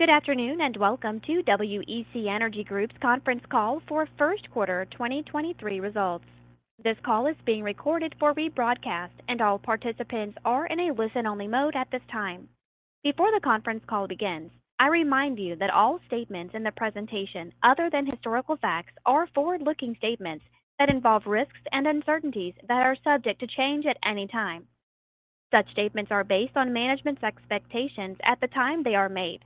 Good afternoon, welcome to WEC Energy Group's conference call for first quarter 2023 results. This call is being recorded for rebroadcast, and all participants are in a listen-only mode at this time. Before the conference call begins, I remind you that all statements in the presentation, other than historical facts, are forward-looking statements that involve risks and uncertainties that are subject to change at any time. Such statements are based on management's expectations at the time they are made.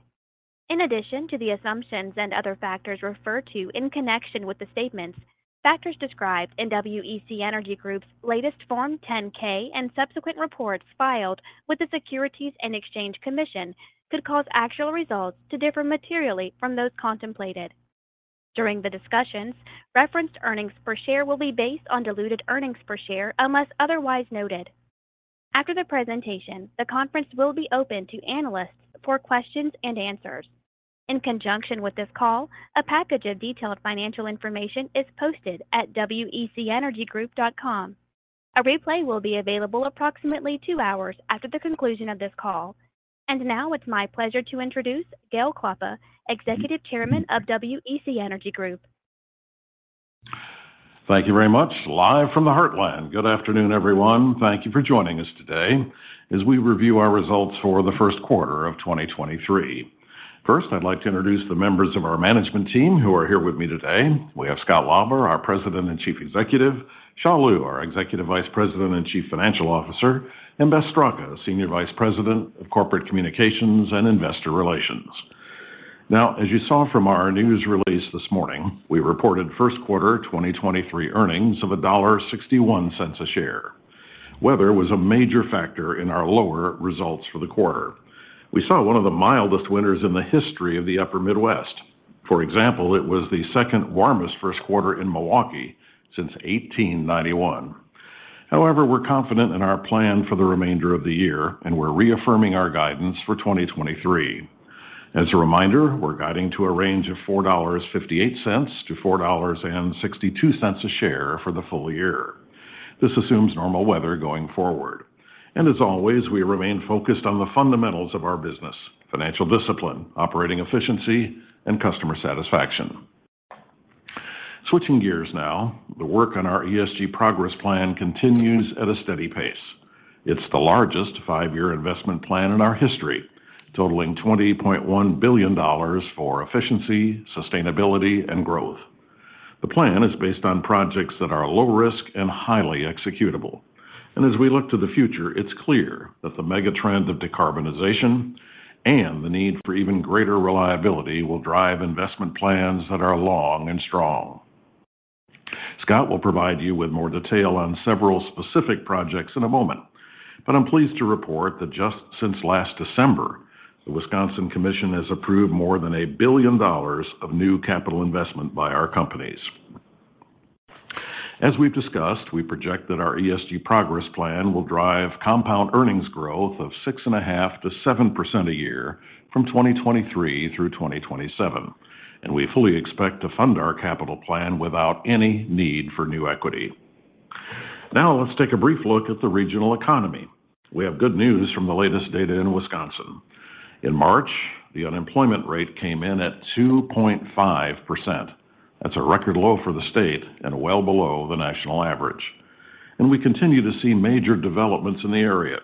In addition to the assumptions and other factors referred to in connection with the statements, factors described in WEC Energy Group's latest Form 10-K and subsequent reports filed with the Securities and Exchange Commission could cause actual results to differ materially from those contemplated. During the discussions, referenced earnings per share will be based on diluted earnings per share unless otherwise noted. After the presentation, the conference will be open to analysts for questions and answers. In conjunction with this call, a package of detailed financial information is posted at wecenergygroup.com. A replay will be available approximately two hours after the conclusion of this call. Now it's my pleasure to introduce Gale Klappa, Executive Chairman of WEC Energy Group. Thank you very much. Live from the heartland. Good afternoon, everyone. Thank you for joining us today as we review our results for the 1st quarter of 2023. First, I'd like to introduce the members of our management team who are here with me today. We have Scott Lauber, our President and Chief Executive, Xia Liu, our Executive Vice President and Chief Financial Officer, and Beth Straka, Senior Vice President of Corporate Communications and Investor Relations. As you saw from our news release this morning, we reported 1st quarter 2023 earnings of $1.61 a share. Weather was a major factor in our lower results for the quarter. We saw one of the mildest winters in the history of the upper Midwest. For example, it was the 2nd warmest 1st quarter in Milwaukee since 1891. We're confident in our plan for the remainder of the year, and we're reaffirming our guidance for 2023. As a reminder, we're guiding to a range of $4.58-$4.62 a share for the full year. This assumes normal weather going forward. As always, we remain focused on the fundamentals of our business, financial discipline, operating efficiency, and customer satisfaction. Switching gears now, the work on our ESG Progress Plan continues at a steady pace. It's the largest five-year investment plan in our history, totaling $20.1 billion for efficiency, sustainability, and growth. The plan is based on projects that are low risk and highly executable. As we look to the future, it's clear that the mega trend of decarbonization and the need for even greater reliability will drive investment plans that are long and strong. Scott will provide you with more detail on several specific projects in a moment, but I'm pleased to report that just since last December, the Wisconsin Commission has approved more than $1 billion of new capital investment by our companies. As we've discussed, we project that our ESG Progress Plan will drive compound earnings growth of 6.5%-7% a year from 2023 through 2027. We fully expect to fund our capital plan without any need for new equity. Let's take a brief look at the regional economy. We have good news from the latest data in Wisconsin. In March, the unemployment rate came in at 2.5%. That's a record low for the state and well below the national average. We continue to see major developments in the area.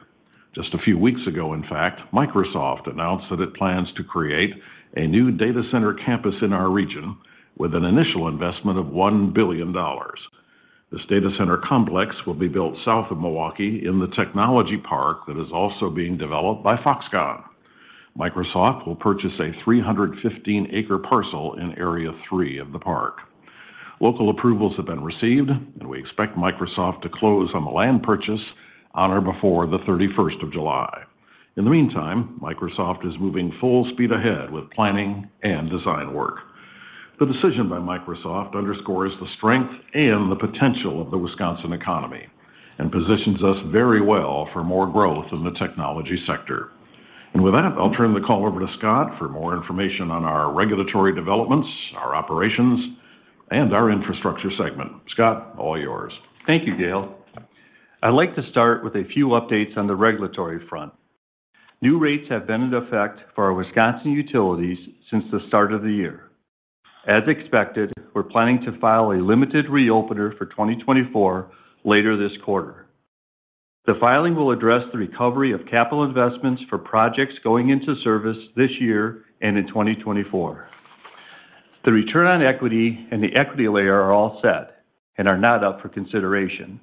Just a few weeks ago, in fact, Microsoft announced that it plans to create a new data center campus in our region with an initial investment of $1 billion. This data center complex will be built south of Milwaukee in the technology park that is also being developed by Foxconn. Microsoft will purchase a 315 acre parcel in Area 3 of the park. Local approvals have been received, and we expect Microsoft to close on the land purchase on or before the 31st of July. In the meantime, Microsoft is moving full speed ahead with planning and design work. The decision by Microsoft underscores the strength and the potential of the Wisconsin economy and positions us very well for more growth in the technology sector. With that, I'll turn the call over to Scott for more information on our regulatory developments, our operations, and our infrastructure segment. Scott, all yours. Thank you, Gale. I'd like to start with a few updates on the regulatory front. New rates have been in effect for our Wisconsin utilities since the start of the year. As expected, we're planning to file a limited reopener for 2024 later this quarter. The filing will address the recovery of capital investments for projects going into service this year and in 2024. The return on equity and the equity layer are all set and are not up for consideration.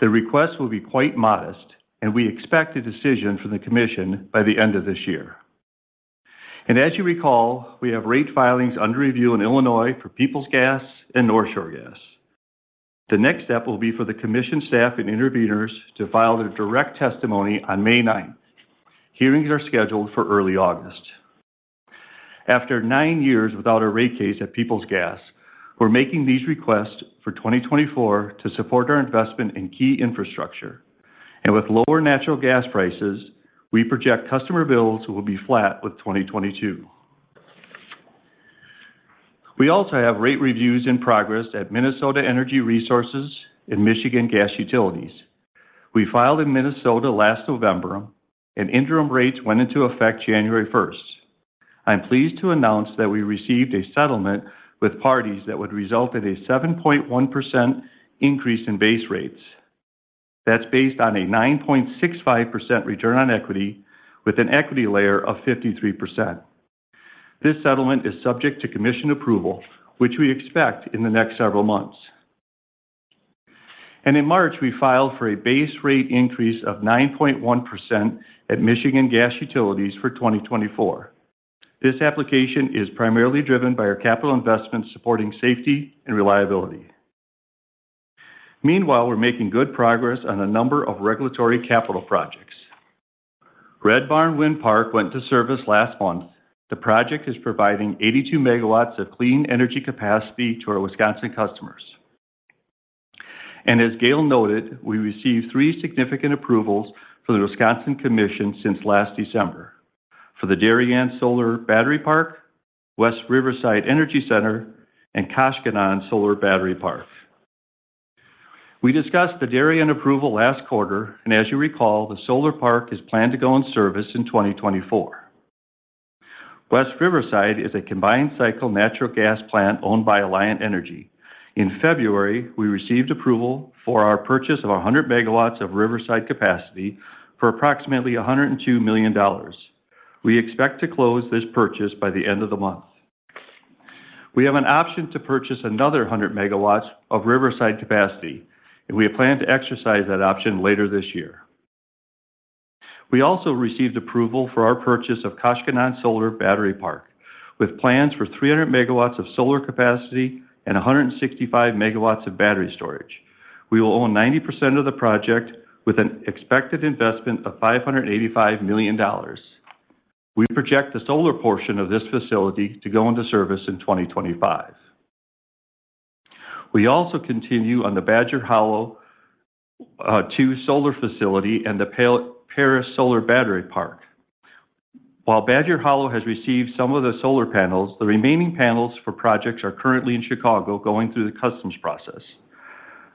The request will be quite modest, and we expect a decision from the commission by the end of this year. As you recall, we have rate filings under review in Illinois for Peoples Gas and North Shore Gas. The next step will be for the commission staff and interveners to file their direct testimony on May 9th. Hearings are scheduled for early August. After 9 years without a rate case at Peoples Gas, we're making these requests for 2024 to support our investment in key infrastructure. With lower natural gas prices, we project customer bills will be flat with 2022. We also have rate reviews in progress at Minnesota Energy Resources in Michigan Gas Utilities. We filed in Minnesota last November, and interim rates went into effect January 1st. I'm pleased to announce that we received a settlement with parties that would result in a 7.1% increase in base rates. That's based on a 9.65% return on equity with an equity layer of 53%. This settlement is subject to Commission approval, which we expect in the next several months. In March, we filed for a base rate increase of 9.1% at Michigan Gas Utilities for 2024. This application is primarily driven by our capital investments supporting safety and reliability. Meanwhile, we're making good progress on a number of regulatory capital projects. Red Barn Wind Park went to service last month. The project is providing 82 MW of clean energy capacity to our Wisconsin customers. As Gale noted, we received three significant approvals for the Wisconsin Commission since last December for the Darien Solar Battery Park, West Riverside Energy Center, and Koshkonong Solar Battery Park. We discussed the Darien approval last quarter, and as you recall, the solar park is planned to go in service in 2024. West Riverside is a combined cycle natural gas plant owned by Alliant Energy. In February, we received approval for our purchase of 100 MW of Riverside capacity for approximately $102 million. We expect to close this purchase by the end of the month. We have an option to purchase another 100 megawatts of Riverside capacity, we plan to exercise that option later this year. We also received approval for our purchase of Koshkonong Solar Energy Center with plans for 300 megawatts of solar capacity and 165 megawatts of battery storage. We will own 90% of the project with an expected investment of $585 million. We project the solar portion of this facility to go into service in 2025. We also continue on the Badger Hollow Two Solar Facility and the Paris Solar-Battery Park. While Badger Hollow has received some of the solar panels, the remaining panels for projects are currently in Chicago going through the customs process.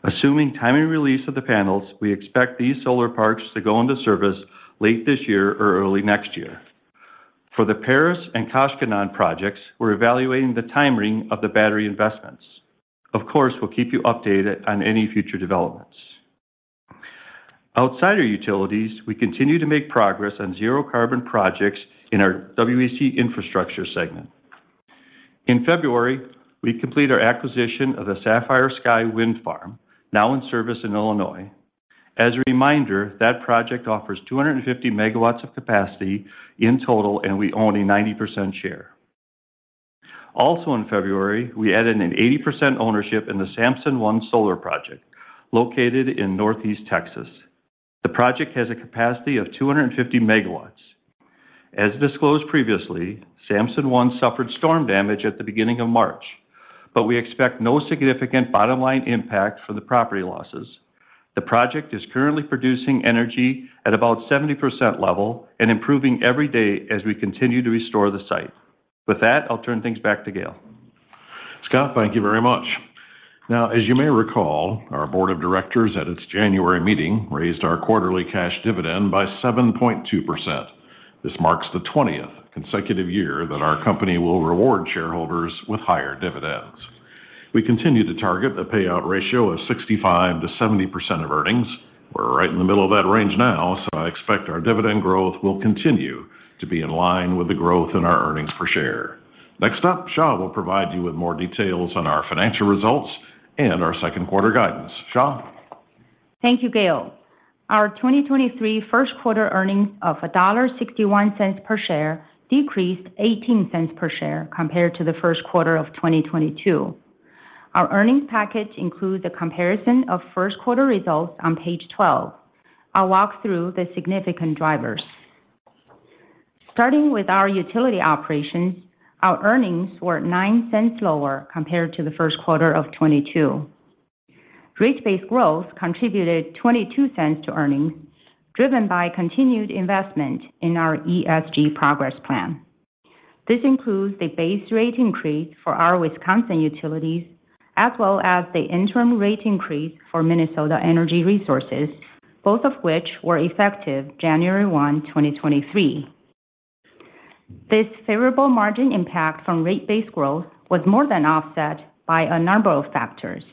Assuming timely release of the panels, we expect these solar parks to go into service late this year or early next year. For the Paris and Koshkonong projects, we're evaluating the timing of the battery investments. Of course, we'll keep you updated on any future developments. Outside our utilities, we continue to make progress on zero carbon projects in our WEC Infrastructure segment. In February, we completed our acquisition of the Sapphire Sky Wind Energy Center, now in service in Illinois. As a reminder, that project offers 250 megawatts of capacity in total, and we own a 90% share. In February, we added an 80% ownership in the Samson I solar project located in Northeast Texas. The project has a capacity of 250 megawatts. As disclosed previously, Samson I suffered storm damage at the beginning of March, we expect no significant bottom line impact for the property losses. The project is currently producing energy at about 70% level and improving every day as we continue to restore the site. With that, I'll turn things back to Gale. Scott, thank you very much. As you may recall, our board of directors at its January meeting raised our quarterly cash dividend by 7.2%. This marks the 20th consecutive year that our company will reward shareholders with higher dividends. We continue to target a payout ratio of 65%-70% of earnings. We're right in the middle of that range now, so I expect our dividend growth will continue to be in line with the growth in our earnings per share. Next up, Xia will provide you with more details on our financial results and our second quarter guidance. Xia. Thank you, Gale. Our 2023 first quarter earnings of $1.61 per share decreased $0.18 per share compared to the first quarter of 2022. Our earnings package includes a comparison of first quarter results on page 12. I'll walk through the significant drivers. Starting with our utility operations, our earnings were $0.09 lower compared to the first quarter of 2022. Rate-based growth contributed $0.22 to earnings, driven by continued investment in our ESG Progress Plan. This includes the base rate increase for our Wisconsin utilities, as well as the interim rate increase for Minnesota Energy Resources, both of which were effective January 1, 2023. This favorable margin impact from rate-based growth was more than offset by a number of factors.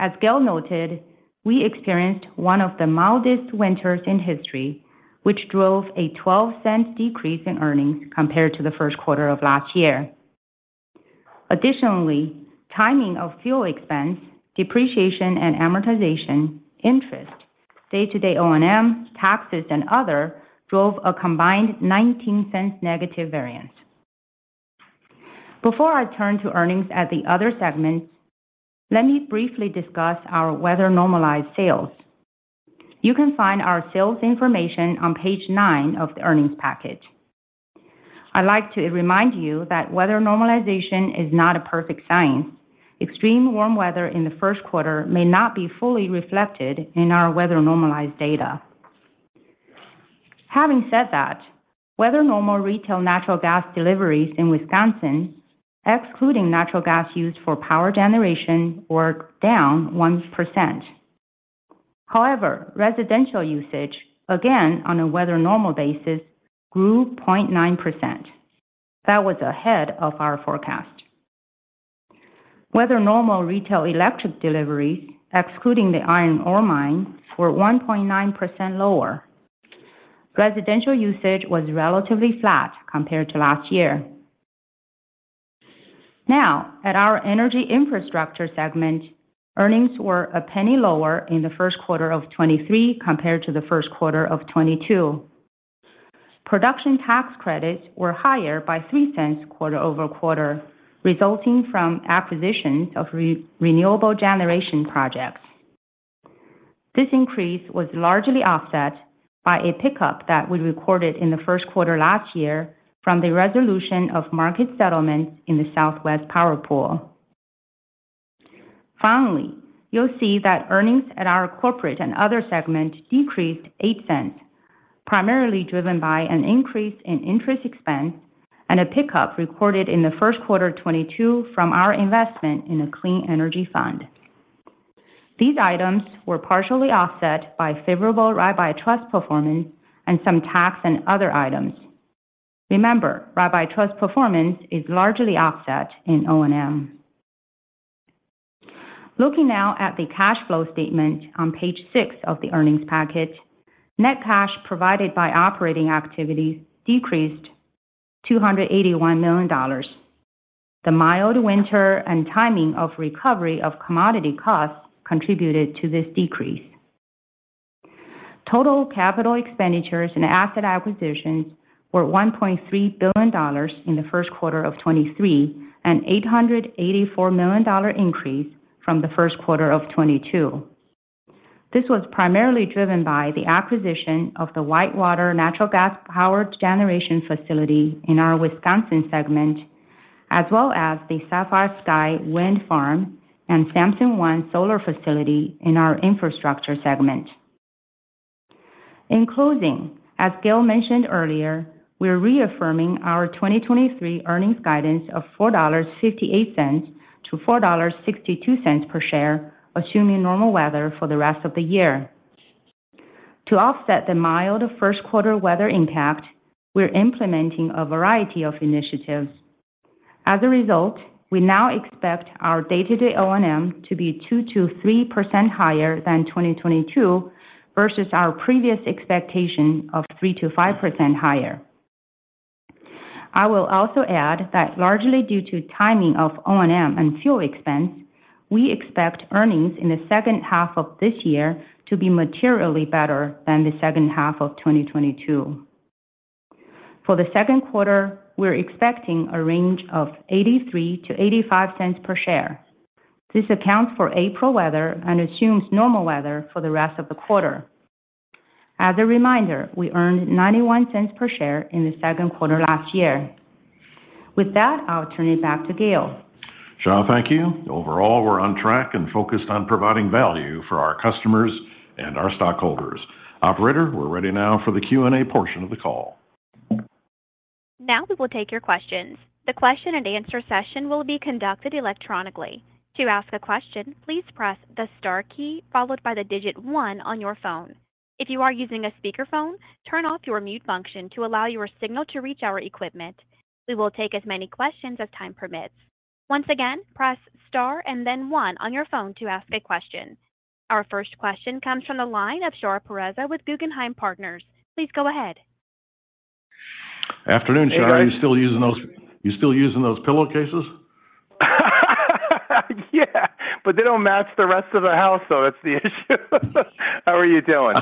As Gale noted, we experienced one of the mildest winters in history, which drove a $0.12 decrease in earnings compared to the first quarter of last year. Timing of fuel expense, depreciation and amortization, interest, day-to-day O&M, taxes, and other drove a combined $0.19 negative variance. Before I turn to earnings at the other segments, let me briefly discuss our weather normalized sales. You can find our sales information on page 9 of the earnings package. I'd like to remind you that weather normalization is not a perfect science. Extreme warm weather in the first quarter may not be fully reflected in our weather normalized data. Having said that, weather normal retail natural gas deliveries in Wisconsin excluding natural gas used for power generation were down 1%. Residential usage, again, on a weather normal basis, grew 0.9%. That was ahead of our forecast. Weather normal retail electric delivery excluding the iron ore mine were 1.9% lower. Residential usage was relatively flat compared to last year. Now, at our energy infrastructure segment, earnings were $0.01 lower in the first quarter of 2023 compared to the first quarter of 2022. Production tax credits were higher by $0.03 quarter-over-quarter, resulting from acquisitions of re-renewable generation projects. This increase was largely offset by a pickup that we recorded in the first quarter last year from the resolution of market settlements in the Southwest Power Pool. Finally, you'll see that earnings at our corporate and other segment decreased $0.08, primarily driven by an increase in interest expense and a pickup recorded in the first quarter 2022 from our investment in a clean energy fund. These items were partially offset by favorable rabbi trust performance and some tax and other items. Remember, rabbi trust performance is largely offset in O&M. Looking now at the cash flow statement on page six of the earnings packet, net cash provided by operating activities decreased $281 million. The mild winter and timing of recovery of commodity costs contributed to this decrease. Total capital expenditures and asset acquisitions were $1.3 billion in the first quarter of 2023, an $884 million increase from the first quarter of 2022. This was primarily driven by the acquisition of the Whitewater Natural Gas Power Generation facility in our Wisconsin segment, as well as the Sapphire Sky Wind Energy Center and Samson I Solar Energy Center in our infrastructure segment. In closing, as Gale mentioned earlier, we're reaffirming our 2023 earnings guidance of $4.58-$4.62 per share, assuming normal weather for the rest of the year. To offset the mild first quarter weather impact, we're implementing a variety of initiatives. As a result, we now expect our day-to-day O&M to be 2%-3% higher than 2022 versus our previous expectation of 3%-5% higher. I will also add that largely due to timing of O&M and fuel expense, we expect earnings in the second half of this year to be materially better than the second half of 2022. For the second quarter, we're expecting a range of $0.83-$0.85 per share. This accounts for April weather and assumes normal weather for the rest of the quarter. As a reminder, we earned $0.91 per share in the second quarter last year. With that, I'll turn it back to Gale. Xia, thank you. Overall, we're on track and focused on providing value for our customers and our stockholders. Operator, we're ready now for the Q&A portion of the call. Now we will take your questions. The question and answer session will be conducted electronically. To ask a question, please press the Star key followed by the digit one on your phone. If you are using a speakerphone, turn off your mute function to allow your signal to reach our equipment. We will take as many questions as time permits. Once again, press Star and then one on your phone to ask a question. Our first question comes from the line of Shar Pourreza with Guggenheim Partners. Please go ahead. Afternoon, Shar. You still using those pillowcases? Yeah, they don't match the rest of the house, so that's the issue. How are you doing?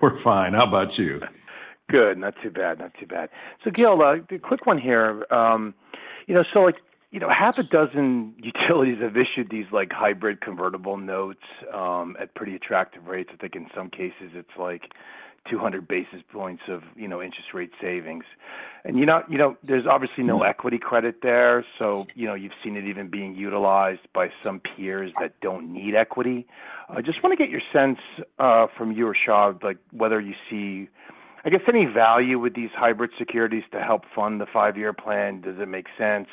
We're fine. How about you? Good. Not too bad, not too bad. Gale, a quick one here. you know, so, like, you know, half a dozen utilities have issued these, like, hybrid convertible notes at pretty attractive rates. I think in some cases it's, like, 200 basis points of, you know, interest rate savings. you know, there's obviously no equity credit there, so, you know, you've seen it even being utilized by some peers that don't need equity. I just want to get your sense from you or Xia, like, whether you see, I guess, any value with these hybrid securities to help fund the five-year plan. Does it make sense?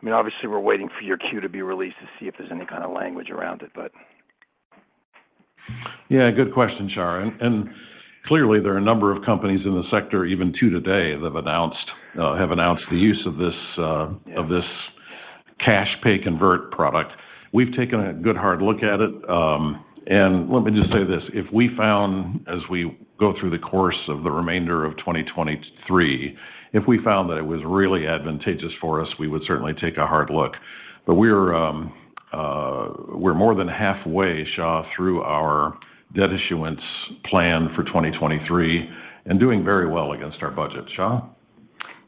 I mean, obviously we're waiting for your Q to be released to see if there's any kind of language around it, but. Yeah, good question, Shar. Clearly there are a number of companies in the sector, even two today, that have announced the use of this cash pay convert product. We've taken a good hard look at it. Let me just say this. If we found, as we go through the course of the remainder of 2023, if we found that it was really advantageous for us, we would certainly take a hard look. We're more than halfway, Xia, through our debt issuance plan for 2023 and doing very well against our budget. Xia?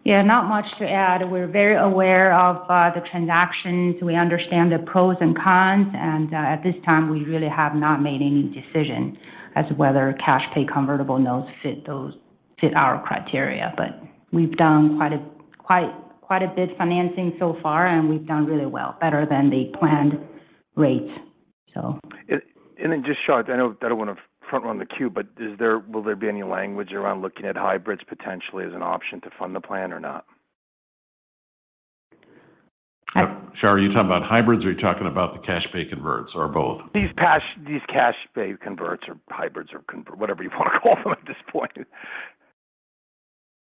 Yeah, not much to add. We're very aware of the transactions. We understand the pros and cons. At this time, we really have not made any decision as whether cash pay convertible notes fit those, fit our criteria. We've done quite a bit financing so far, and we've done really well, better than the planned rates. Just, Xia, I know I don't want to front run the queue, but will there be any language around looking at hybrids potentially as an option to fund the plan or not? Shar, are you talking about hybrids or are you talking about the cash pay converts or both? These cash pay converts or hybrids or whatever you want to call them at this point.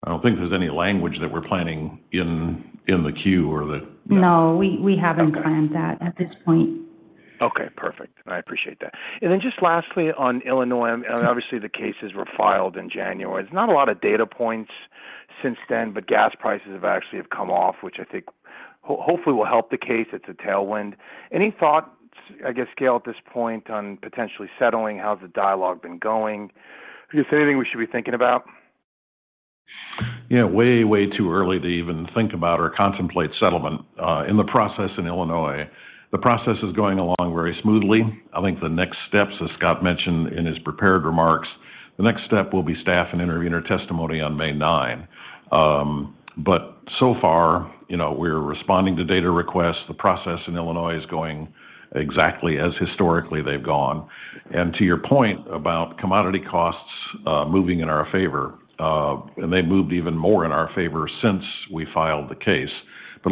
I don't think there's any language that we're planning in the queue. No, we haven't planned that at this point. Okay, perfect. I appreciate that. Just lastly on Illinois, I mean, obviously, the cases were filed in January. There's not a lot of data points since then. Gas prices have actually come off, which I think hopefully will help the case. It's a tailwind. Any thoughts, I guess, Gale, at this point on potentially settling? How's the dialogue been going? Is there anything we should be thinking about? Yeah. Way, way too early to even think about or contemplate settlement in the process in Illinois. The process is going along very smoothly. I think the next steps, as Scott Lauber mentioned in his prepared remarks, the next step will be staff and intervener testimony on May 9. So far, you know, we're responding to data requests. The process in Illinois is going exactly as historically they've gone. To your point about commodity costs moving in our favor, and they moved even more in our favor since we filed the case.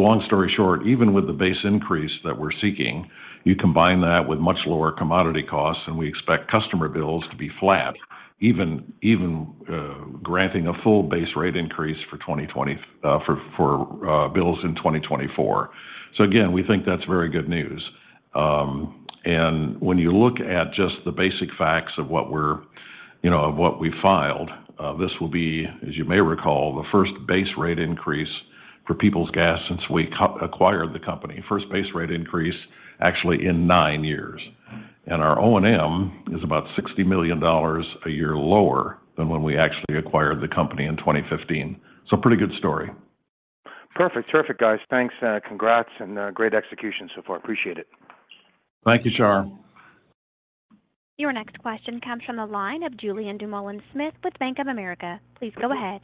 Long story short, even with the base increase that we're seeking, you combine that with much lower commodity costs, and we expect customer bills to be flat, even granting a full base rate increase for bills in 2024. Again, we think that's very good news. When you look at just the basic facts of what we're, you know, of what we filed, this will be, as you may recall, the first base rate increase for Peoples Gas since we acquired the company. First base rate increase actually in nine years. Our O&M is about $60 million a year lower than when we actually acquired the company in 2015. Pretty good story. Perfect. Terrific, guys. Thanks, congrats, great execution so far. Appreciate it. Thank you, Char. Your next question comes from the line of Julien Dumoulin-Smith with Bank of America. Please go ahead.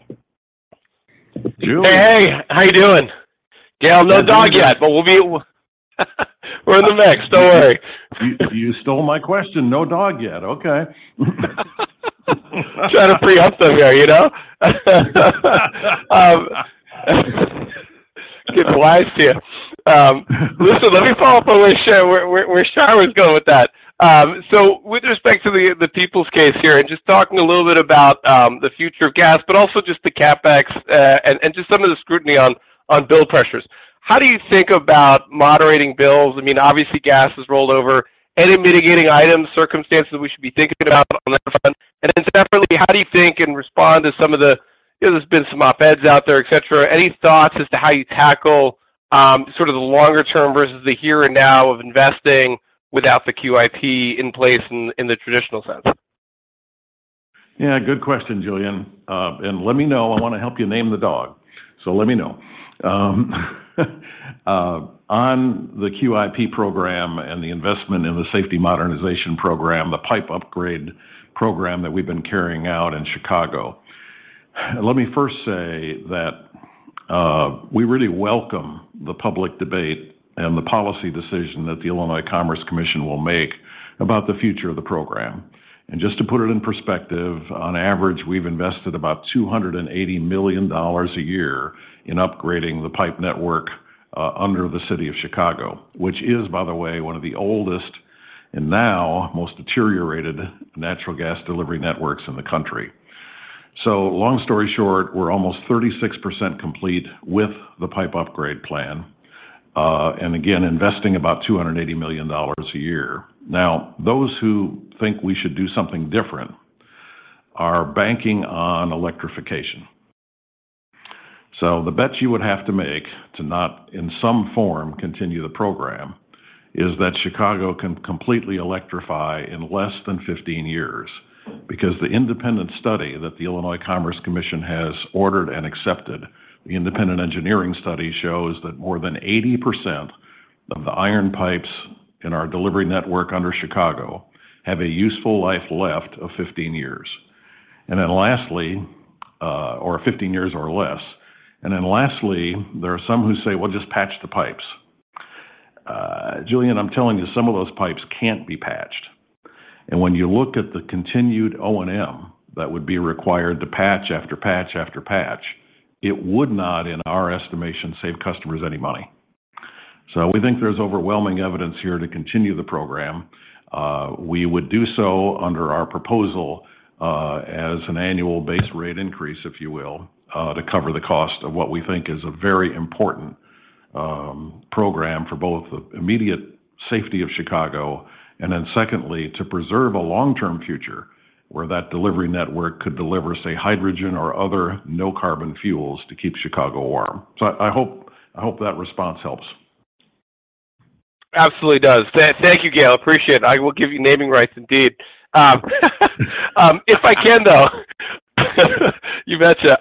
Julien. Hey. How you doing? Gale, no dog yet, but We're in the mix. Don't worry. You stole my question. No dog yet. Okay. Trying to free up some air, you know? Get wise to you. Listen, let me follow up on where Char was going with that. With respect to the Peoples Gas case here, and just talking a little bit about the future of gas, but also just the CapEx, and just some of the scrutiny on bill pressures. How do you think about moderating bills? I mean, obviously gas is rollover. Any mitigating items, circumstances we should be thinking about on that front? Separately, how do you think and respond to some of the, you know, there's been some op-eds out there, et cetera. Any thoughts as to how you tackle sort of the longer term versus the here and now of investing without the QIP in place in the traditional sense? Yeah, good question, Julien. Let me know. I wanna help you name the dog, so let me know. On the QIP program and the investment in the safety modernization program, the pipe upgrade program that we've been carrying out in Chicago, let me first say that we really welcome the public debate and the policy decision that the Illinois Commerce Commission will make about the future of the program. Just to put it in perspective, on average, we've invested about $280 million a year in upgrading the pipe network under the city of Chicago, which is, by the way, one of the oldest and now most deteriorated natural gas delivery networks in the country. Long story short, we're almost 36% complete with the pipe upgrade plan, and again, investing about $280 million a year. Those who think we should do something different are banking on electrification. The bets you would have to make to not, in some form, continue the program is that Chicago can completely electrify in less than 15 years. The independent study that the Illinois Commerce Commission has ordered and accepted, the independent engineering study shows that more than 80% of the iron pipes in our delivery network under Chicago have a useful life left of 15 years. Lastly, or 15 years or less. Lastly, there are some who say, "Well, just patch the pipes." Julien, I'm telling you, some of those pipes can't be patched. When you look at the continued O&M that would be required to patch after patch after patch, it would not, in our estimation, save customers any money. We think there's overwhelming evidence here to continue the program. We would do so under our proposal as an annual base rate increase, if you will, to cover the cost of what we think is a very important program for both the immediate safety of Chicago, secondly, to preserve a long-term future where that delivery network could deliver, say, hydrogen or other no-carbon fuels to keep Chicago warm. I hope that response helps. Absolutely does. Thank you, Gale. Appreciate it. I will give you naming rights indeed. If I can, though, you betcha.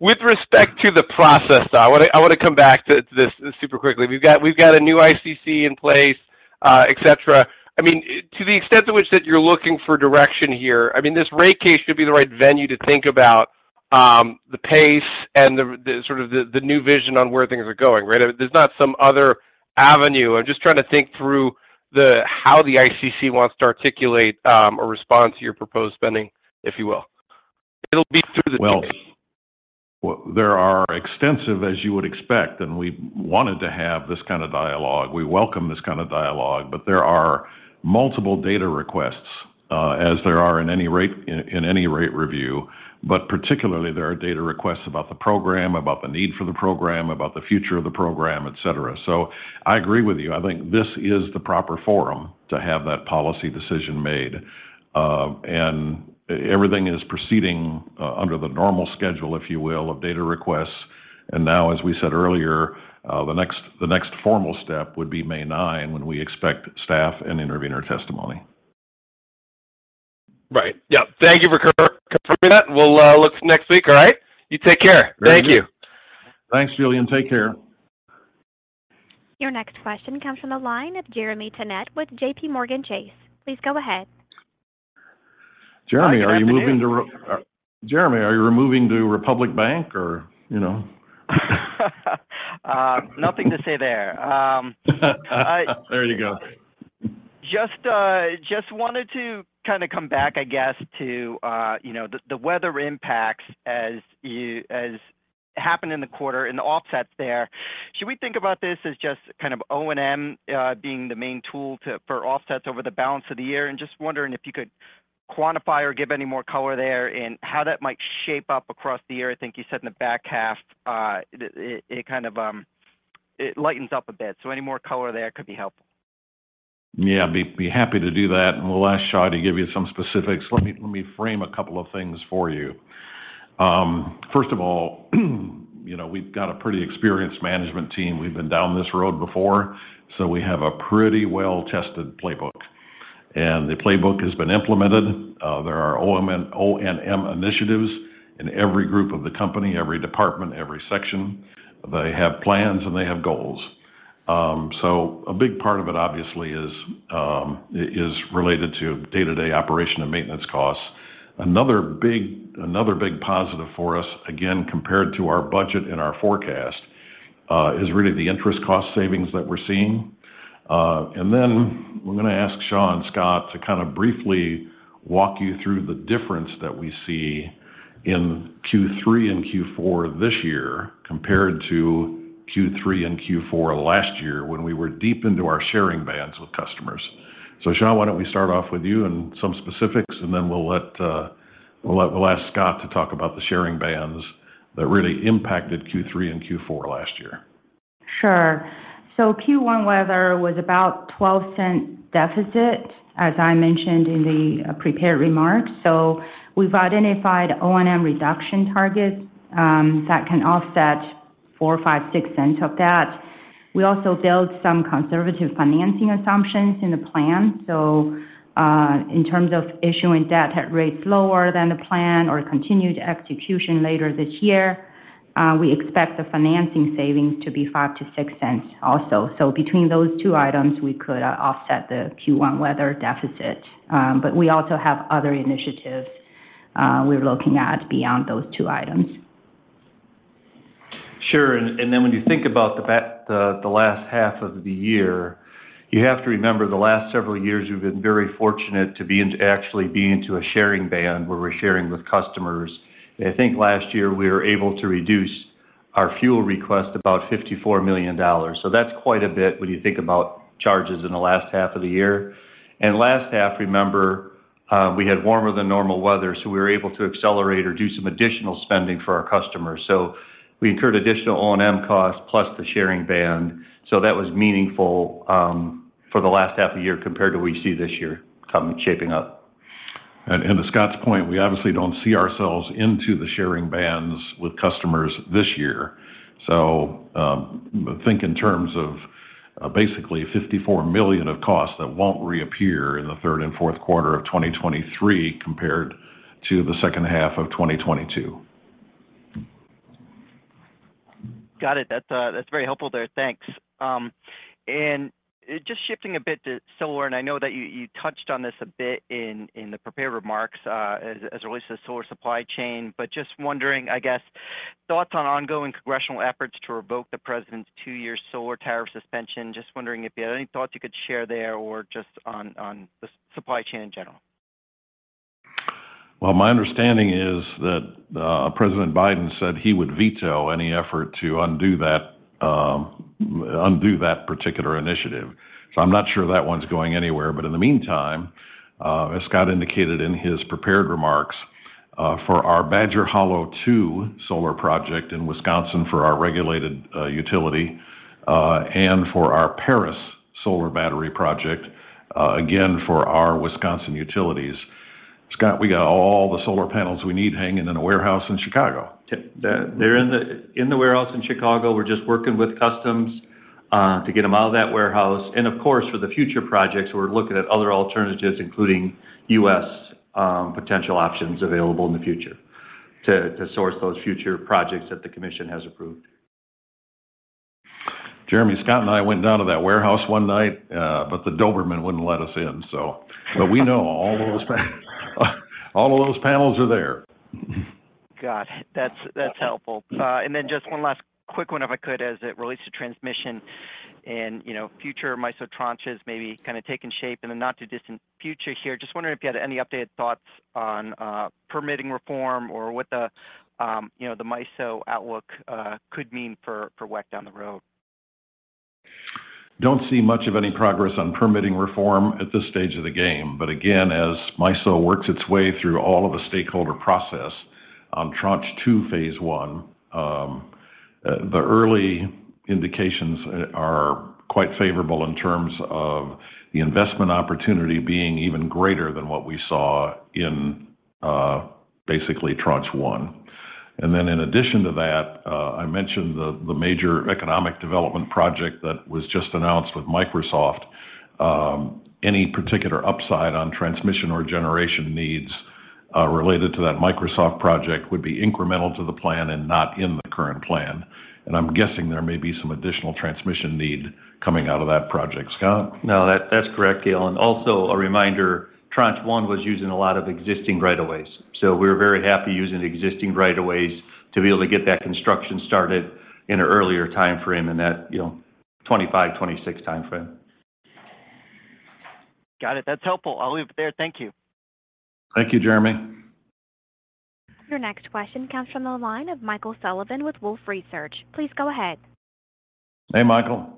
With respect to the process, though, I wanna come back to this super quickly. We've got a new ICC in place, et cetera. I mean, to the extent to which that you're looking for direction here, I mean, this rate case should be the right venue to think about The pace and the sort of the new vision on where things are going, right? There's not some other avenue. I'm just trying to think through how the ICC wants to articulate a response to your proposed spending, if you will. It'll be through the. There are extensive, as you would expect, and we wanted to have this kind of dialogue. We welcome this kind of dialogue. There are multiple data requests, as there are in any rate review. Particularly, there are data requests about the program, about the need for the program, about the future of the program, et cetera. I agree with you. I think this is the proper forum to have that policy decision made. Everything is proceeding under the normal schedule, if you will, of data requests. Now, as we said earlier, the next formal step would be May nine, when we expect staff and intervener testimony. Right. Yeah. Thank you for confirming that. We'll look next week, all right? You take care. Thank you. Thanks, Julien. Take care. Your next question comes from the line of Jeremy Tonet with JPMorgan Chase. Please go ahead. Jeremy, are you moving to Republic Bank or, you know? Nothing to say there. There you go. Just wanted to kind of come back, I guess, to, you know, the weather impacts as happened in the quarter and the offsets there. Should we think about this as just kind of O&M being the main tool for offsets over the balance of the year? Just wondering if you could quantify or give any more color there in how that might shape up across the year. I think you said in the back half, it kind of lightens up a bit. Any more color there could be helpful. Yeah, I'd be happy to do that. We'll ask Sha and Scott to give you some specifics. Let me frame a couple of things for you. First of all, you know, we've got a pretty experienced management team. We've been down this road before, so we have a pretty well-tested playbook. The playbook has been implemented. There are O&M initiatives in every group of the company, every department, every section. They have plans, and they have goals. A big part of it, obviously, is related to day-to-day operation and maintenance costs. Another big positive for us, again, compared to our budget and our forecast, is really the interest cost savings that we're seeing. I'm gonna ask Xia and Scott to kind of briefly walk you through the difference that we see in Q3 and Q4 this year compared to Q3 and Q4 last year when we were deep into our sharing bands with customers. Xia, why don't we start off with you and some specifics, and then we'll ask Scott to talk about the sharing bands that really impacted Q3 and Q4 last year. Sure. Q1 weather was about $0.12 deficit, as I mentioned in the prepared remarks. We've identified O&M reduction targets that can offset $0.04, $0.05, $0.06 of that. We also built some conservative financing assumptions in the plan. In terms of issuing debt at rates lower than the plan or continued execution later this year, we expect the financing savings to be $0.05-$0.06 also. Between those two items, we could offset the Q1 weather deficit. We also have other initiatives we're looking at beyond those two items. Sure. Then when you think about the last half of the year, you have to remember the last several years, we've been very fortunate to actually be into a sharing band where we're sharing with customers. I think last year we were able to reduce our fuel request about $54 million. That's quite a bit when you think about charges in the last half of the year. Last half, remember, we had warmer than normal weather, we were able to accelerate or do some additional spending for our customers. We incurred additional O&M costs plus the sharing band. That was meaningful for the last half a year compared to what you see this year coming, shaping up. To Scott's point, we obviously don't see ourselves into the sharing bands with customers this year. Think in terms of basically $54 million of costs that won't reappear in the third and fourth quarter of 2023 compared to the second half of 2022. Got it. That's very helpful there. Thanks. Just shifting a bit to solar, I know that you touched on this a bit in the prepared remarks, as it relates to solar supply chain, but just wondering, I guess, thoughts on ongoing congressional efforts to revoke the President's two-year solar tariff suspension. Just wondering if you had any thoughts you could share there or just on the supply chain in general. My understanding is that President Biden said he would veto any effort to undo that particular initiative. I'm not sure that one's going anywhere. In the meantime, as Scott indicated in his prepared remarks, for our Badger Hollow II solar project in Wisconsin for our regulated utility, and for our Paris Solar-Battery Park, again, for our Wisconsin utilities. Scott, we got all the solar panels we need hanging in a warehouse in Chicago. They're in the warehouse in Chicago. We're just working with customs to get them out of that warehouse. Of course, for the future projects, we're looking at other alternatives, including U.S. potential options available in the future to source those future projects that the commission has approved. Jeremy, Scott and I went down to that warehouse one night. The Doberman wouldn't let us in, so. We know all of those panels are there. Got it. That's helpful. Then just one last quick one, if I could, as it relates to transmission and, you know, future MISO tranches may be kind of taking shape in the not too distant future here. Just wondering if you had any updated thoughts on permitting reform or what the, you know, the MISO outlook could mean for WEC down the road. Don't see much of any progress on permitting reform at this stage of the game. Again, as MISO works its way through all of the stakeholder process on Tranche 2, Phase 1, the early indications are quite favorable in terms of the investment opportunity being even greater than what we saw in, basically Tranche 1. Then in addition to that, I mentioned the major economic development project that was just announced with Microsoft. Any particular upside on transmission or generation needs related to that Microsoft project would be incremental to the plan and not in the current plan. I'm guessing there may be some additional transmission need coming out of that project. Scott? No, that's correct, Gale. Also a reminder, Tranche 1 was using a lot of existing right of ways. We're very happy using the existing right of ways to be able to get that construction started in an earlier timeframe and that, you know, 25, 26 timeframe. Got it. That's helpful. I'll leave it there. Thank you. Thank you, Jeremy. Your next question comes from the line of Michael Sullivan with Wolfe Research. Please go ahead. Hey, Michael.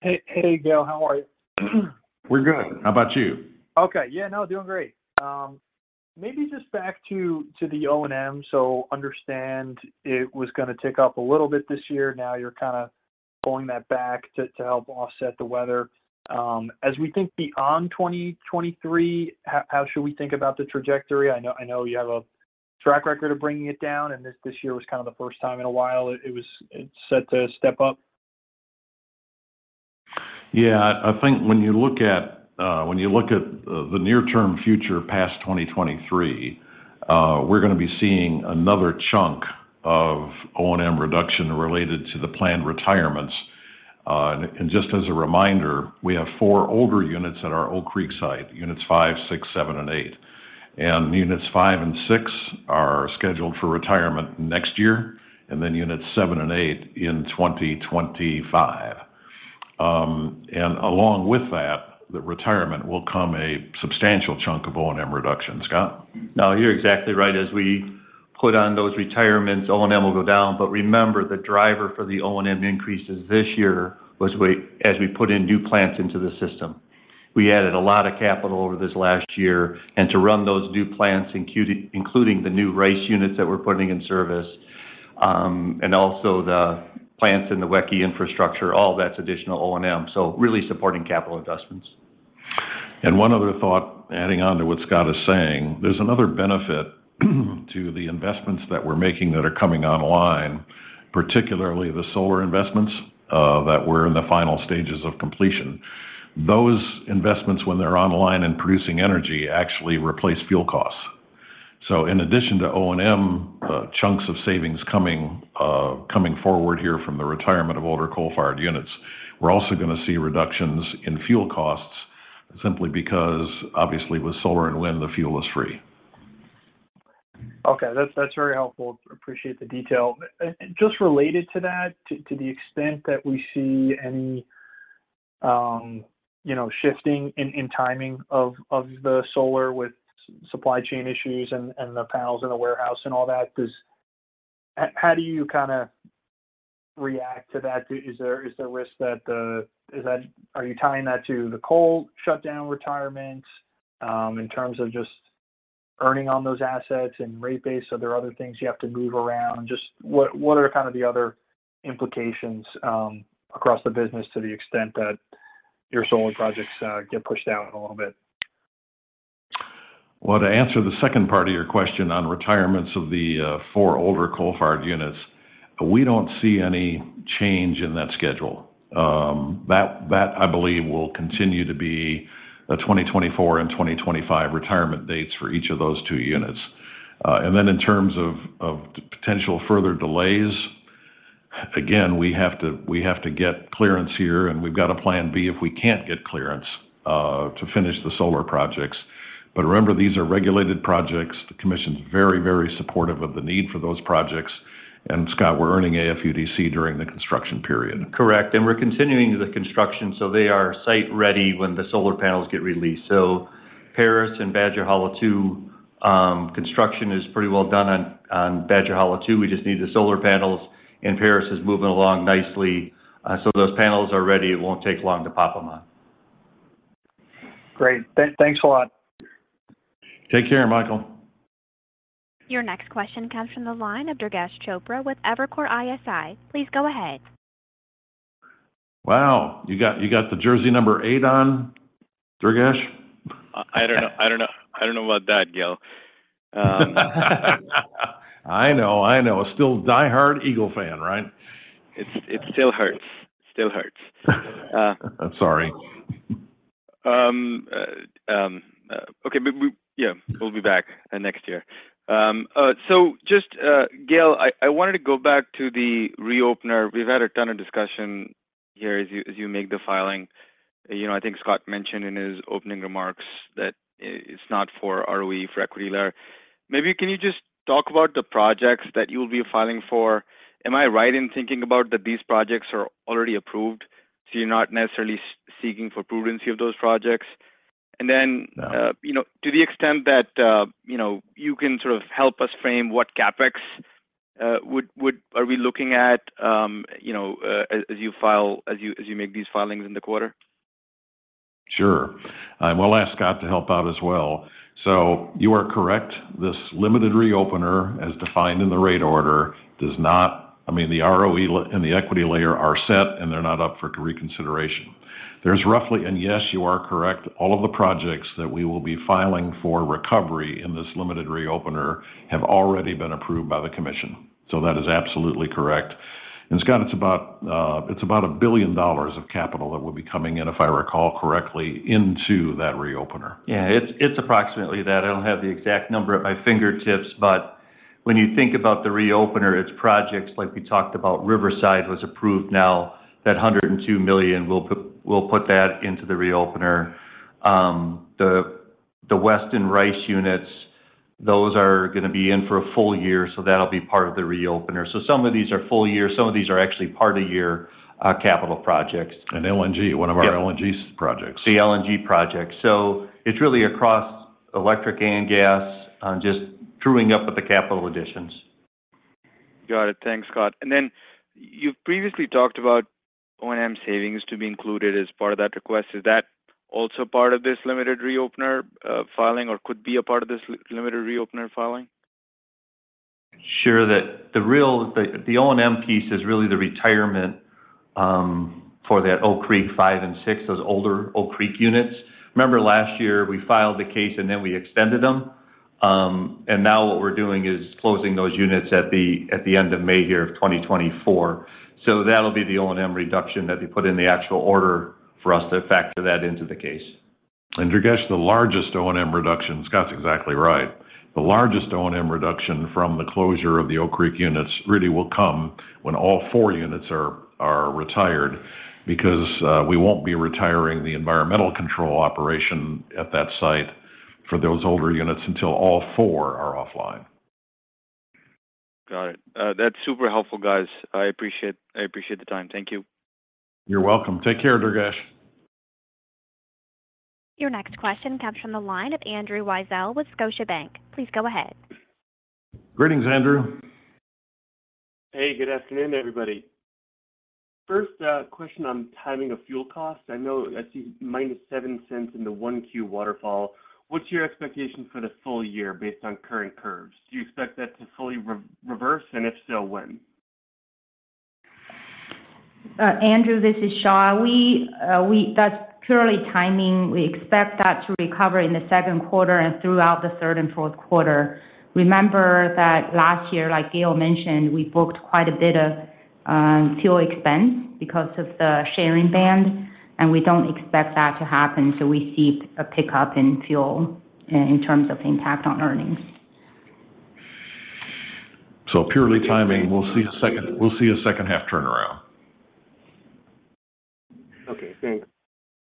Hey, hey Gale, how are you? We're good. How about you? Okay. Yeah, no, doing great. Maybe just back to the O&M. Understand it was gonna tick up a little bit this year. Now you're kind of pulling that back to help offset the weather. As we think beyond 2023, how should we think about the trajectory? I know you have a track record of bringing it down, and this year was kind of the first time in a while it was set to step up. Yeah. I think when you look at the near-term future past 2023, we're gonna be seeing another chunk of O&M reduction related to the planned retirements. Just as a reminder, we have four older units at our Oak Creek site, units five, six, seven, and eight. Units five and six are scheduled for retirement next year, and then units seven and eight in 2025. Along with that, the retirement will come a substantial chunk of O&M reduction. Scott? You're exactly right. As we put on those retirements, O&M will go down. Remember, the driver for the O&M increases this year was as we put in new plants into the system. We added a lot of capital over this last year and to run those new plants, including the new RICE units that we're putting in service, and also the plants in the WEC Infrastructure, all that's additional O&M. Really supporting capital investments. One other thought, adding on to what Scott is saying, there's another benefit to the investments that we're making that are coming online, particularly the solar investments, that we're in the final stages of completion. Those investments, when they're online and producing energy, actually replace fuel costs. In addition to O&M, chunks of savings coming forward here from the retirement of older coal-fired units, we're also gonna see reductions in fuel costs simply because obviously with solar and wind, the fuel is free. Okay. That's very helpful. Appreciate the detail. Just related to that, to the extent that we see any, you know, shifting in timing of the solar with supply chain issues and the panels in the warehouse and all that, How do you kinda react to that? Is there risk? Are you tying that to the coal shutdown retirement, in terms of just earning on those assets and rate base? Are there other things you have to move around? Just what are kind of the other implications across the business to the extent that your solar projects get pushed out a little bit? To answer the second part of your question on retirements of the four older coal-fired units, we don't see any change in that schedule. That I believe will continue to be a 2024 and 2025 retirement dates for each of those two units. In terms of potential further delays, again, we have to get clearance here, and we've got a plan B if we can't get clearance to finish the solar projects. Remember, these are regulated projects. The commission's very, very supportive of the need for those projects. Scott, we're earning AFUDC during the construction period. Correct. We're continuing the construction, so they are site ready when the solar panels get released. Paris and Badger Hollow II, construction is pretty well done on Badger Hollow II. We just need the solar panels, and Paris is moving along nicely. Those panels are ready. It won't take long to pop them on. Great. Thanks a lot. Take care, Michael. Your next question comes from the line of Durgesh Chopra with Evercore ISI. Please go ahead. Wow, you got the jersey number eight on, Durgesh? I don't know about that, Gale. I know, I know. Still diehard Eagle fan, right? It still hurts. Still hurts. I'm sorry. Okay. We'll be back next year. Just, Gale, I wanted to go back to the reopener. We've had a ton of discussion here as you make the filing. You know, I think Scott mentioned in his opening remarks that it's not for ROE, for equity layer. Maybe can you just talk about the projects that you'll be filing for? Am I right in thinking about that these projects are already approved, so you're not necessarily seeking for prudency of those projects? No. You know, to the extent that, you know, you can sort of help us frame what CapEx are we looking at, you know, as you file, as you make these filings in the quarter? Sure. I will ask Scott to help out as well. You are correct. This limited reopener, as defined in the rate order, does not. I mean, the ROE and the equity layer are set, and they're not up for reconsideration. There's roughly, and yes, you are correct. All of the projects that we will be filing for recovery in this limited reopener have already been approved by the commission. That is absolutely correct. Scott, it's about $1 billion of capital that will be coming in, if I recall correctly, into that reopener. Yeah. It's approximately that. I don't have the exact number at my fingertips, but when you think about the reopener, it's projects like we talked about. Riverside was approved now. That $102 million, we'll put that into the reopener. The Weston RICE units, those are gonna be in for a full year, so that'll be part of the reopener. Some of these are full year, some of these are actually part of year capital projects. LNG. One of our- Yeah. LNG projects. The LNG projects. It's really across electric and gas on just truing up with the capital additions. Got it. Thanks, Scott. Then you've previously talked about O&M savings to be included as part of that request. Is that also part of this limited reopener, filing or could be a part of this limited reopener filing? Sure. The O&M piece is really the retirement for that Oak Creek 5 and 6, those older Oak Creek units. Remember last year we filed the case and then we extended them. Now what we're doing is closing those units at the end of May here of 2024. That'll be the O&M reduction that they put in the actual order for us to factor that into the case. Durgesh, the largest O&M reduction, Scott's exactly right. The largest O&M reduction from the closure of the Oak Creek units really will come when all four units are retired because we won't be retiring the environmental control operation at that site for those older units until all four are offline. Got it. That's super helpful, guys. I appreciate the time. Thank you. You're welcome. Take care, Durgesh Chopra. Your next question comes from the line of Andrew Weisel with Scotiabank. Please go ahead. Greetings, Andrew. Hey, good afternoon, everybody. First, question on timing of fuel costs. I know I see -$0.07 in the 1Q waterfall. What's your expectation for the full year based on current curves? Do you expect that to fully re-reverse? If so, when? Andrew, this is Xia. We That's purely timing. We expect that to recover in the second quarter and throughout the third and fourth quarter. Remember that last year, like Gale mentioned, we booked quite a bit of fuel expense because of the sharing band, and we don't expect that to happen till we see a pickup in fuel in terms of impact on earnings. Purely timing, we'll see a second half turnaround. Okay, thanks.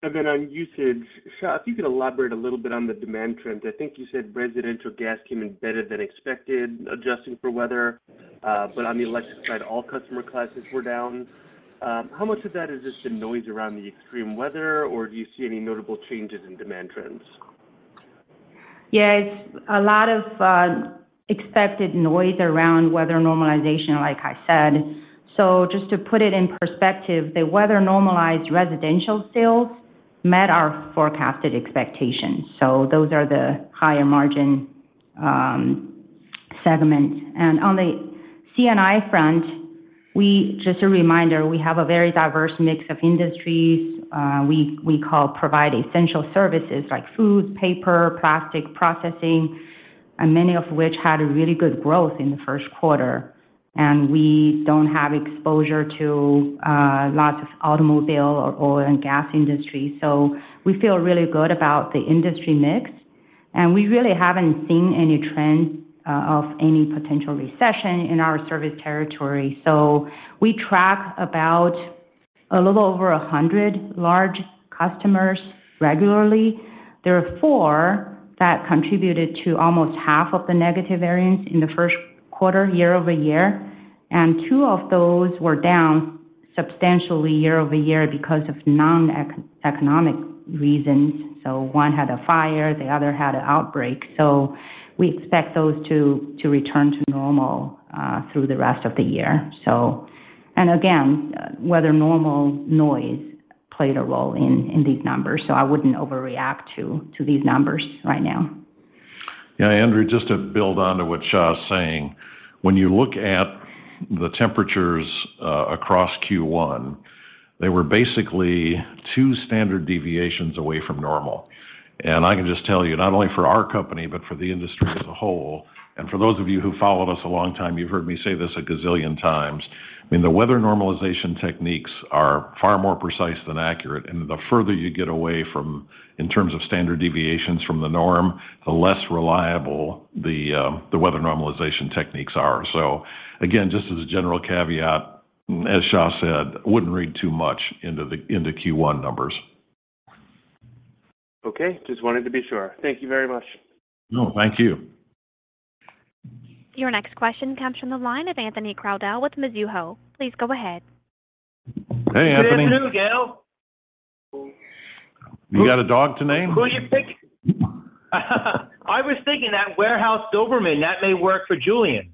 Then on usage, Xia, if you could elaborate a little bit on the demand trends. I think you said residential gas came in better than expected, adjusting for weather, but on the electric side, all customer classes were down. How much of that has just been noise around the extreme weather, or do you see any notable changes in demand trends? It's a lot of expected noise around weather normalization, like I said. Just to put it in perspective, the weather normalized residential sales met our forecasted expectations. Those are the higher margin segment. On the C&I front, just a reminder, we have a very diverse mix of industries. We provide essential services like food, paper, plastic processing, and many of which had a really good growth in the first quarter. We don't have exposure to lots of automobile or oil and gas industry. We feel really good about the industry mix, and we really haven't seen any trend of any potential recession in our service territory. We track about a little over 100 large customers regularly. There are four that contributed to almost half of the negative variance in the 1st quarter year-over-year, and two of those were down substantially year-over-year because of non-economic reasons. One had a fire, the other had an outbreak. We expect those to return to normal through the rest of the year, so. Again, weather normal noise played a role in these numbers, so I wouldn't overreact to these numbers right now. Yeah. Andrew, just to build on to what Xia's saying. When you look at the temperatures across Q1, they were basically two standard deviations away from normal. I can just tell you, not only for our company, but for the industry as a whole, and for those of you who followed us a long time, you've heard me say this a gazillion times. I mean, the weather normalization techniques are far more precise than accurate. The further you get away from in terms of standard deviations from the norm, the less reliable the weather normalization techniques are. So again, just as a general caveat, as Xia said, wouldn't read too much into Q1 numbers. Just wanted to be sure. Thank you very much. No, thank you. Your next question comes from the line of Anthony Crowdell with Mizuho. Please go ahead. Hey, Anthony. Good afternoon, Gale. You got a dog to name? Who are you? I was thinking that warehouse Doberman, that may work for Julien.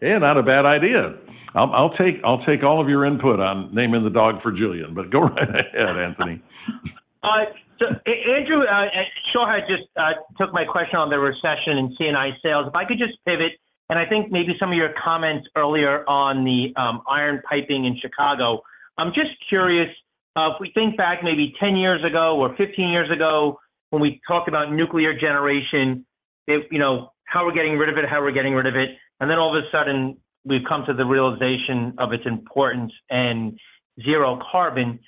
Hey, not a bad idea. I'll take all of your input on naming the dog for Julien. Go right ahead, Anthony. Andrew and Shar had just took my question on the recession and C&I sales. If I could just pivot, and I think maybe some of your comments earlier on the iron piping in Chicago. I'm just curious, if we think back maybe 10 years ago or 15 years ago when we talked about nuclear generation, if, you know, how we're getting rid of it, and then all of a sudden we've come to the realization of its importance and zero carbon.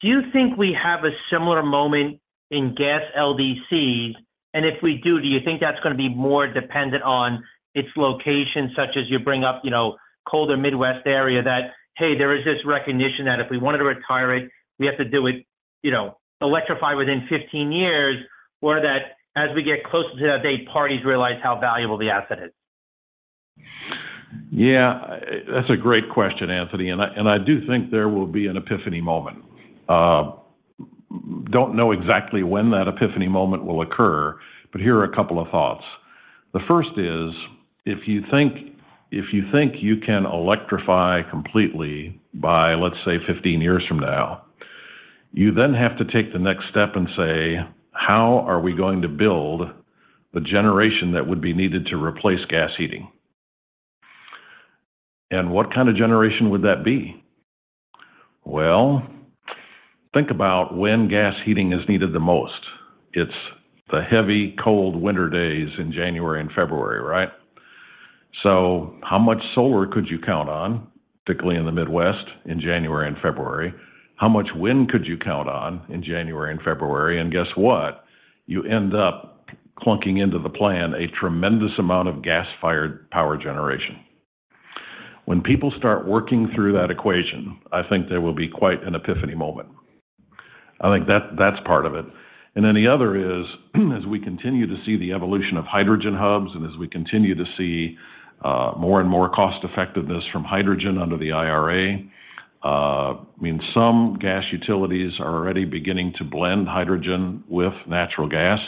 Do you think we have a similar moment in gas LDCs? If we do you think that's gonna be more dependent on its location, such as you bring up, you know, colder Midwest area that, hey, there is this recognition that if we wanted to retire it, we have to do it, you know, electrify within 15 years, or that as we get closer to that date, parties realize how valuable the asset is? Yeah. That's a great question, Anthony. I do think there will be an epiphany moment. Don't know exactly when that epiphany moment will occur, here are a couple of thoughts. The first is, if you think you can electrify completely by, let's say, 15 years from now, you then have to take the next step and say, "How are we going to build the generation that would be needed to replace gas heating? What kind of generation would that be?" Well, think about when gas heating is needed the most. It's the heavy cold winter days in January and February, right? How much solar could you count on, particularly in the Midwest in January and February? How much wind could you count on in January and February? Guess what? You end up clunking into the plan a tremendous amount of gas-fired power generation. When people start working through that equation, I think there will be quite an epiphany moment. I think that's part of it. Then the other is, as we continue to see the evolution of hydrogen hubs and as we continue to see more and more cost-effectiveness from hydrogen under the IRA, I mean, some gas utilities are already beginning to blend hydrogen with natural gas.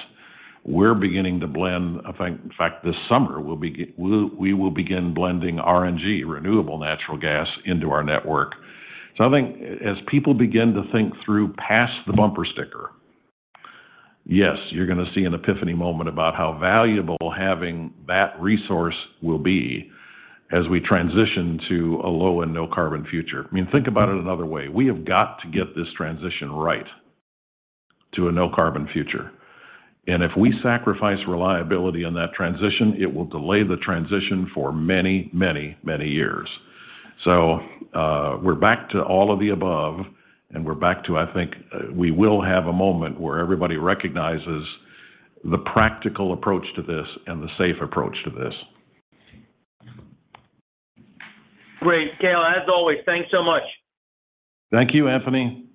We're beginning to blend, I think, in fact, this summer we will begin blending RNG, renewable natural gas, into our network. I think as people begin to think through past the bumper sticker, yes, you're gonna see an epiphany moment about how valuable having that resource will be as we transition to a low and no carbon future. I mean, think about it another way. We have got to get this transition right to a no carbon future. If we sacrifice reliability in that transition, it will delay the transition for many, many, many years. We're back to all of the above, and we're back to, I think, we will have a moment where everybody recognizes the practical approach to this and the safe approach to this. Great. Gale, as always, thanks so much. Thank you, Anthony.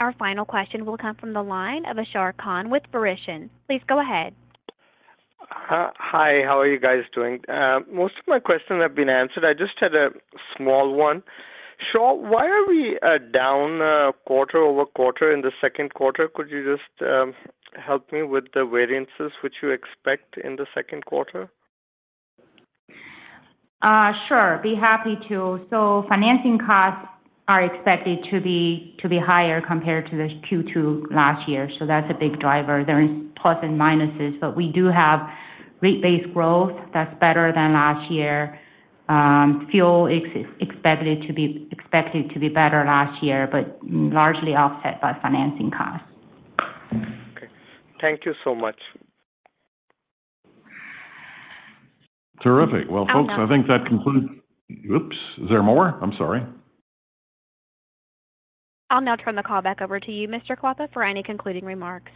Our final question will come from the line of Ashar Khan with Verition. Please go ahead. Hi. How are you guys doing? Most of my questions have been answered. I just had a small one. Xia, why are we down quarter-over-quarter in the second quarter? Could you just help me with the variances which you expect in the second quarter? Sure. Be happy to. Financing costs are expected to be higher compared to the Q2 last year. That's a big driver. There is plus and minuses. We do have rate-based growth that's better than last year. Fuel expected to be better last year. Largely offset by financing costs. Okay. Thank you so much. Terrific. Well, folks, I think that concludes... Oops, is there more? I'm sorry. I'll now turn the call back over to you, Mr. Klappa, for any concluding remarks.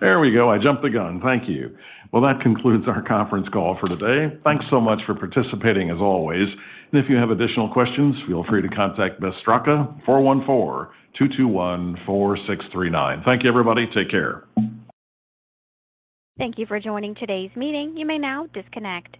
There we go. I jumped the gun. Thank you. Well, that concludes our conference call for today. Thanks so much for participating, as always. If you have additional questions, feel free to contact Beth Straka, 414-221-4639. Thank you, everybody. Take care. Thank you for joining today's meeting. You may now disconnect.